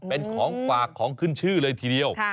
เป็นของฝากของขึ้นชื่อเลยทีเดียว